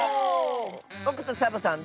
ぼくとサボさん